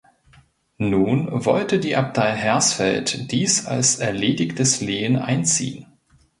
Nun wollte die Abtei Hersfeld dies als erledigtes Lehen einziehen.